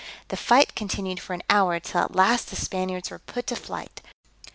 The fight continued for an hour, till at last the Spaniards were put to flight.